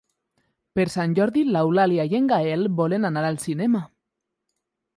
Per Sant Jordi n'Eulàlia i en Gaël volen anar al cinema.